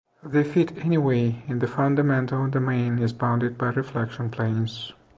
They fit anyway if the fundamental domain is bounded by reflection planes.